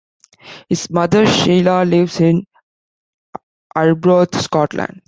His mother Sheila lives in Arbroath, Scotland.